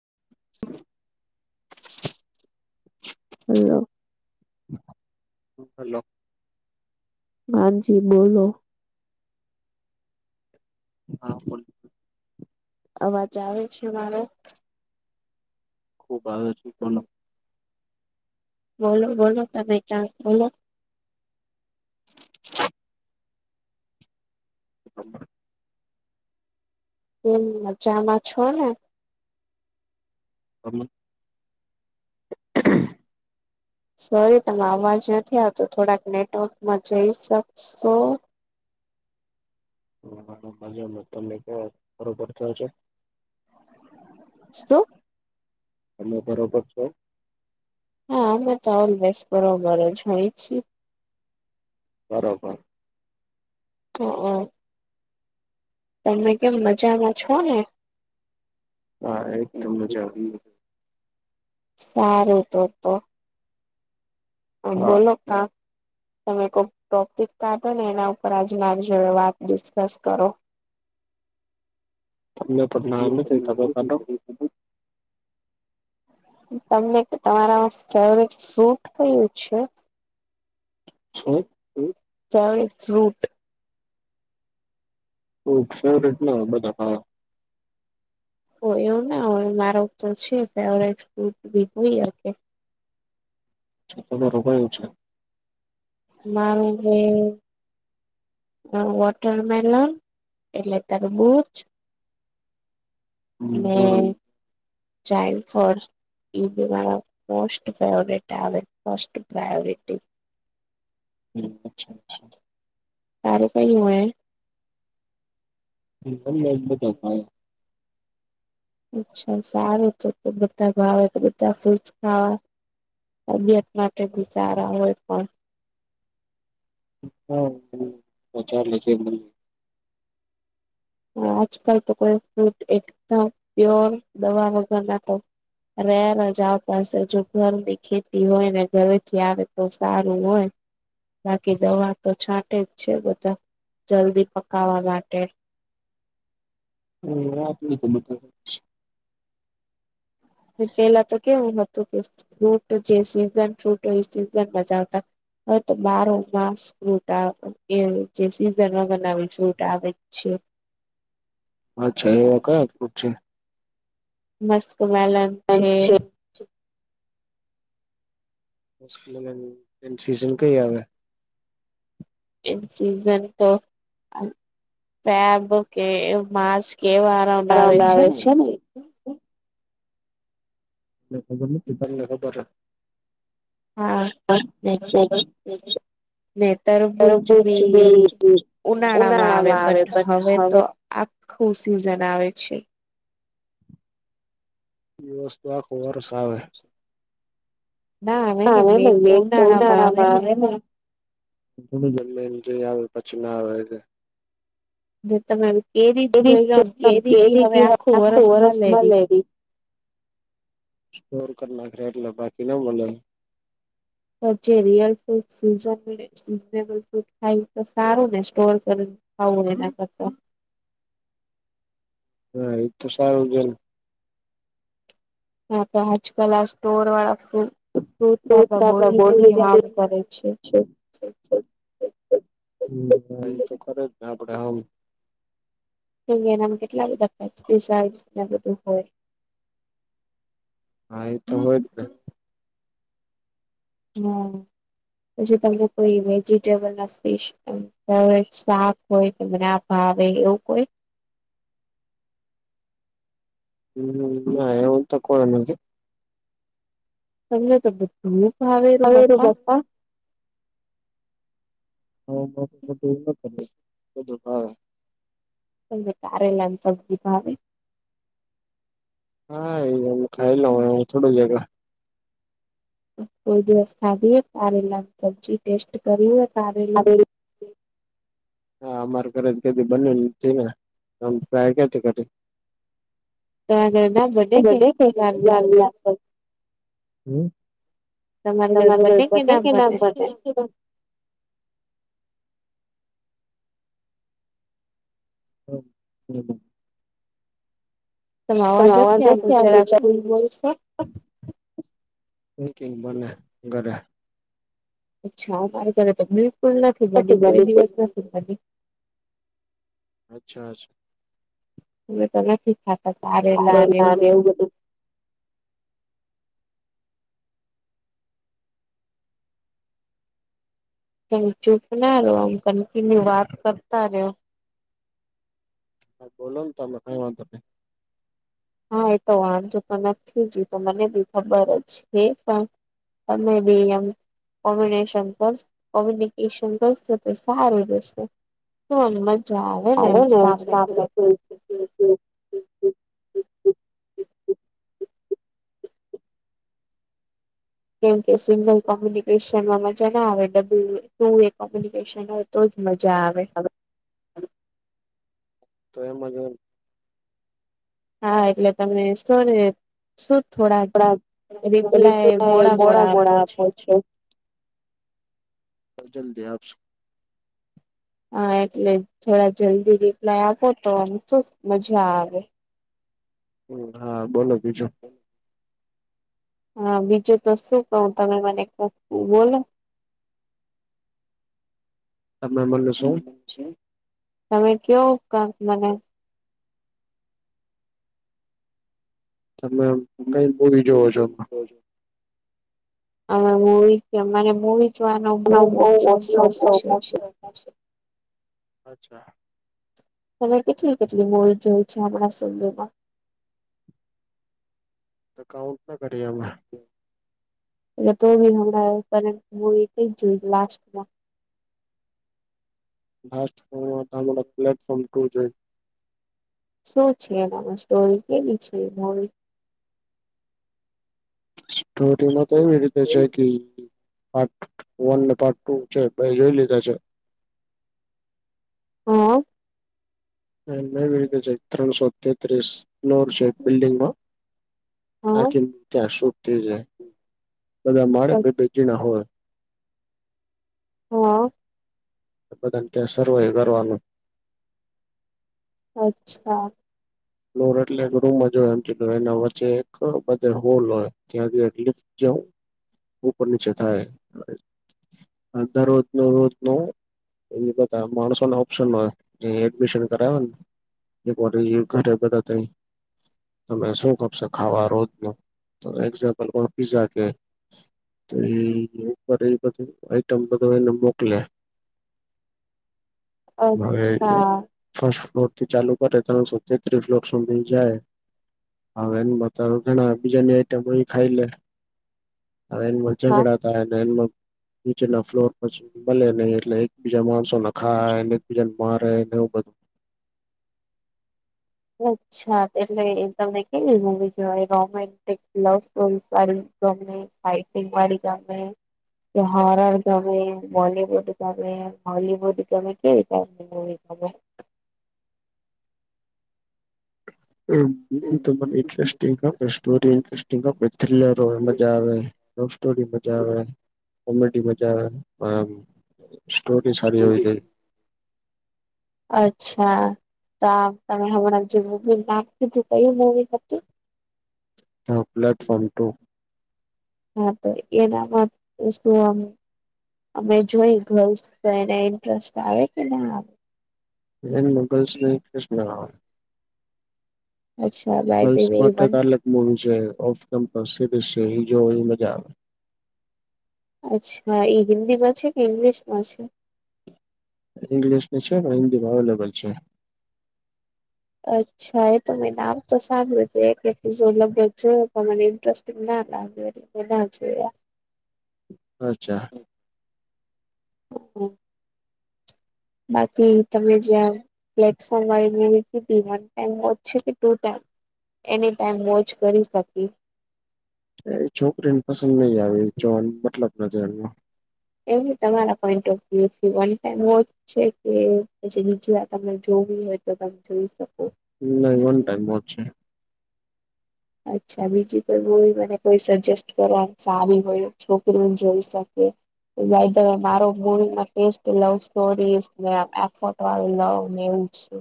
[inaudible] હ હલો હા જી બોલો હા અવાજ આવે છે મારો ખૂબ આવે છે બોલો બોલો બોલો તમે કાક બોલો એમ મજામાં છો ને હમ સોરી તમે અવાજ નથી આવતો થોડાક નેટવર્કમાં જઈ શકશો હ ત બરોબર થયો છે [inaudible] તમે બરોબર છે હા અમે તો અલસ કર મા જ હોય છી બરાબર હ હ તમે કેમ મજામાં છો ને હા એકદમ મજા આવે સારું તો તો હવે બોલો કાક તમે કોઈ ટોપિક કાઢો ને એના ઉપર આજ મારી જોડે વાત ડિસ્કસ કરો તમને પણ ના તબકાઢો તમને તમારા ફેવરટ ફ્રૂટ કયું છે સોરી ફેવરીટ ફ્રૂટ ફેવટ ન બધા હા ઓ એવું ના હોય મારો તો છે ફવરેટ ફૂડી [unintelligible] રબ એ છે મારું હે વોટરમેલન એટલે તરબૂજ ચાઈલ્ડ ફોર મોસ્ટ ફેવરેટ આબ ફસ્ટ પ્રયોરીટી હ અચ્છા તારું કઈ હોય તમે બધા ભાઈ. અચ્છા સારું તો કે બધા વાાવે કે બધા ફ્રૂટ્ ખાવા. તબિયત માટે બી સારા હોય પણ હમાર લ છે [unintelligible] હ આજકાલ તો કોઈ ફૂટ એકદમ પ્યોર દવા વગર ના ક રહ જ આવ પાસે જો ઘરની ખેતી હોય ને ઘરેથી આવે તો સારું હોય બાકી દવા તો છાટે જ છે બધા જલ્દી પકવા માટે. [unintelligible] આત તે બધું પેલા તો કેવું હતું કે ફ્રૂટ જે સીઝન ફ્રૂટ એ સીઝન મજા આવતા. હવે તો બારો માસ ફ્રૂટ એ જે સીઝનમાં બનાવે ફ્રૂટ આવે છે. અચ્છા એવા કયાટ છે મસ્ક મેલન છે. સીઝન કઈ આવે. સીઝન તો બયા કે માર્ચ કેવા રાઉન્ડ આવે છે ને ને ખબર નથી તમને ખબર હે. હા બે [unintelligible] ને તરબૂજ બી ઉનાળામાં આવે બટ હવે તો. આ ખુશી જણવે છે. એ વસ્તુ આ ખબરસ આવે. હ ન મેે ઉનાળામાં આવે ને. જમમેને જઈ આવે પછી ના આવે. [inaudible] તમે કેરી જ જોઈ લો કેરી બી હવે આખું વરષ મળેવી. સ્ટોર કર નાખે એટલે બાકી ના મલે. તો જે real fruit season seasonable fruit ખાય તો સારું ને સ્ટોર કરે. હોવે એના કરતા. હા એ તો સારું જે. હા તો અજ કલ આ સ્ટોર વાળા ફૂન. બોડીને બી હારમ કરે છે. એતો ખરે જ ને આપડે હવ. એનામાં કેટલા બધા ફેસય બધું હોય. હા એ તો હોય. હમ પછી જે તમને કોઈ જે બધા સ્પેસ અ. સાફ હોય તમને આ ભાવે એવું કોઈ. હમ હ એવ તો કોઈ નથી. તમને તો બધું ભાવેરું બાપા. હા. હા એવું કર બધું હા. મને તો કારેલા સબ્જી ભાવે. હા એ ખાઈ હોય થોડું એભી. કોઈ દિવસ ખાધીએ તારેલા સબ્જી ટેસ્ટ કરી ને કારેલો. હા અમારે ઘરે કધ બન્યું થ ને ટાય કથી કરી. તો આ ના બડે કે લાલ પણ. તમારે ઘર પતે નામ ના પતે હમ હમ. તમે આવાજ નથી આ બુ જરાલ બોલશો. કઈબી બને ઘરે અચ્છા વાર કરે તો બિલકુલ નથી મની કોઈ દિવસ નથી મની અચ્છા અચ્છા. અમે તો નથી ખાતા કારેલા અને એવું બધું. ક ચૂપ ના રહો. આમ કન્ટિન્યુ વાત કરતા રેવ. હા બોલો તો તમે કઈ વાંધો નહી હા એ તો વાંધ જો પણ નથી જ તો મને બી ખબર જ હ પણ. એમે બી એમ. [unintelligible] કર કોમ્યુનિકેશન કર તો સારું રહેશે. [unintelligible] કેમ કે સિંગલ કોમ્યુનિકેશનમાં મજા ના આવે ડબલુ ટુ એ કોમ્યુનિકેશન હોય. તો જ મજા આવે. તો એમાં જ. હા, એટલે તમને સો ને શું થોડાક? રિપ્લાય મોળા મોળા આપો છો. બ જલ્દી આપશું. હા એટલે થોડા જલ્દી રિપ્લાય આપો તો આ શું મજા આવે. હ હા બોલો બીજુ. હા બીજુ તો શું કવુ તમે મને કોક બોલો. ત મેહેમન સો. તમે કેવો ઉપ કામ મને. તમે કઈ બોલી જોવો છો. હવે મૂવી તે મને મૂવી જોવાનો બઉ ઓછો શોખ છે. અચ્છા. તમે કેટલી કેટલી મૂવી જોઈ છે હમણાં સંદમાં? તો કાઉન્ટ ના કરીએ અમે. એ તો બી હમણાં કરન્ટ મૂવી કઈ જોઈ લાસ્ટમાં? હાસ તો [unintelligible] પ્લેટફોમ ટૂ જોઈ. શું છે એનામાં સ્ટોરી? કેવી છે મૂવી? ટો તેમા કેયવી રીતે છે કી પાટ વન ને પાટ ટુ છે. બે જોઈ લીધા છે. હહહ. એમ એવી રીતે છે ત્રણસો તેત્રીસ ફ્લોર છે બિલ્ડિંગમાં. આખી ન ત્યા સુટ થઈ જાય બધા મળે તોય બેજી ના હોય. હ બધાને તા સરવય એ કરવાનું. અચ્છા ફ્લોર એટલે એક રૂમ જ હોય એમ કીધુ હોય ને વચ્ચે એક બધે હોલ હોય ત્યાંથી એક લિફ્ટ જોં ઉપર નીચે થાય. અધા રોજનુ રોજ નું એ બધા માણસો ના ઓપ્શનમાં જે એડમિશન કરાવે ને [unintelligible] ઘડા બધા તઈ. તમે શું કપશો ખાવા રોજ નું એક્ઝામ્પલ કો પીઝા કે તોઈ ઉપર એ બધું આઈટમ બધું એને મોકલે. [inaudible] હવે ઈ ફસ્ટ ફ્લોર થી ચાલુ કરે ત સબજેક્ટ ત્રીકલોક્ષ સુધીં જાય. હવે ની બથાણાઆઈ આપી જાય ને ટે ખાઈ લે હ. હવે ઝઘડા થાય એન લોક નીચે ના ફ્લોર પછી મલે નહી એટલે એક બીજા માણસો ન ખાય એક બીજાને મારેને એવુ બધુ. અચ્છા એટલે એ તમને કેવી મૂવી જોવાય રોમેન્ટિક લવ સ્ટોરી વાળી. ગમે હાઈપિંગ વાળી ગામે કે હોરર ગમે બોલીવુડ ગમે હોલીવુડ ગમે કેવી ગમે? એ ખબર ઇન્ટસ્ટ સ્ટોરી ઇન્ટસ્ટંગ થીલરો હોય મજા આવે. લવ સ્ટોળી મજા આવે, કોમેડી મજા આવે, આ સ્ટોરી સારી હોવી જોઈ. અચ્છા તો આ તમે હમણાં જે મુવીન નું નામ કીધુ કયી મુવી હતી? હ, પ્લેટફોમ ટુ. હા તો એનામાં તો શું એમ. અમે જોઈ ગર્લ્સ તો એને ઇન્ટરેસ્ટ આવે કે ના આવે? [unintelligible] ગર્લ્સ માટે તો અલગ મુવી છે. ઓફ કેપસ છે એ સીરીજ એ મજા આવે. અચ્છા એ હિન્દી માં છે કે ઇંગ્લિશમાં છે? ઇંગ્લિશ ની છે. ને હિન્દી અવેલેબલ છે. અચ્છા. હ એ તો મેં નામ તો સારળું હતું એક જો [unintelligible] તો મને ઇન્ટરેસ્ટિંગ ના લાગ્યું હતી. ના જોયા. અચ્છા. [unintelligible] બાકી તમે જયાં પ્લેટફોર્મ આયુ વન ટાઈમ વોચ છે કે two time. Any time watch કરી શકી. એ છોકરીને પસંદ નહી આવે જોવા મતલબ નથી એનો. એમ ની તમારા પોઇન્ટ [unintelligible] વન ટાઈમ હોય. છે કે પછી બીજી વાર તમને જોવી હોય તો તમે જોઈ શકો. નહી વન ટાઈમ વોચ છે. અચ્છા બીજી કોઈ મુવી મને કોઈ સજેસ્ટ કર સારી હોય છોકરીને જોઈ શકે. [unintelligible] મારો મૂવીમાં ટેસ્ટ લવ સ્ટોરી, [unintelligible] [unintelligible] લવને એવું છે.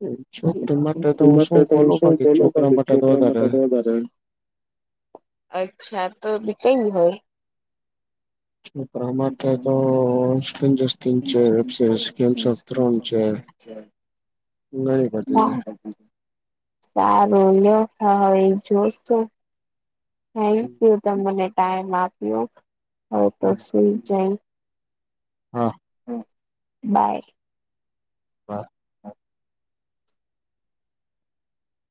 હમ. છોકરી માટે તો હું શું બોલો બાકી છોકરા માટે બારે અચ્છા તો બી કઈ હોય. [unintelligible] છે. [unintelligible] સારું લ્યો હવે જોશું. થેક યુ તમને ટાઈમ આપ્યો તો સુઈ જઈ. હા. હા, બાય. હા.